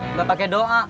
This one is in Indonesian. bukan pakai doa